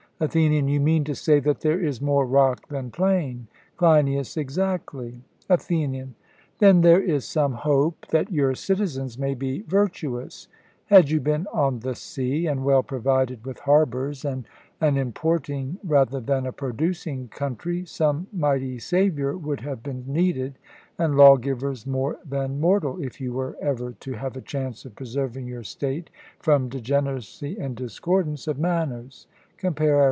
ATHENIAN: You mean to say that there is more rock than plain? CLEINIAS: Exactly. ATHENIAN: Then there is some hope that your citizens may be virtuous: had you been on the sea, and well provided with harbours, and an importing rather than a producing country, some mighty saviour would have been needed, and lawgivers more than mortal, if you were ever to have a chance of preserving your state from degeneracy and discordance of manners (compare Ar.